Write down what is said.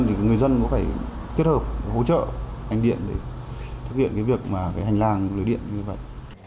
thì người dân cũng phải kết hợp hỗ trợ hành điện để thực hiện cái việc mà hành lang lửa điện như vậy